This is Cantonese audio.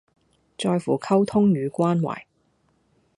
在乎溝通與關懷